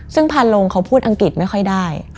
ซึ่งพาลงเขาพูดอังกฤษไม่ค่อยได้